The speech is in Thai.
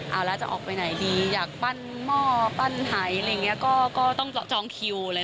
เอาแล้วจะออกไปไหนดีอยากปั้นหม้อปั้นไฮก็ต้องจองคิวเลย